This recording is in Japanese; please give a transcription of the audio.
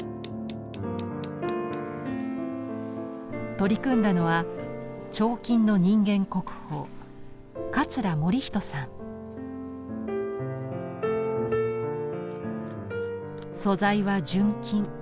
取り組んだのは彫金の素材は純金。